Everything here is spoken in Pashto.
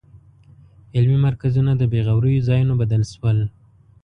علمي مرکزونه د بېغوریو ځایونو بدل شول.